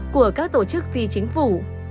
mở các tổ chức phi chính phủ